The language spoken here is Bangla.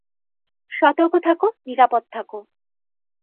সতর্ক থাকো, নিরাপদ থাকো।